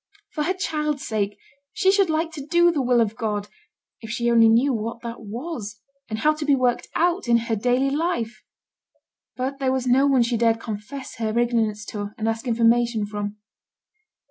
For her child's sake she should like to do the will of God, if she only knew what that was, and how to be worked out in her daily life. But there was no one she dared confess her ignorance to and ask information from.